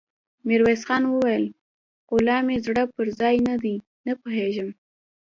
ميرويس خان وويل: خو لا مې زړه پر ځای نه دی، نه پوهېږم!